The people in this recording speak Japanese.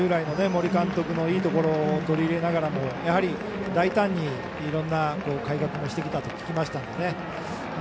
従来の森監督のいいところを取り入れながらも大胆にいろんな改革もしてきたと伺いましたのでね。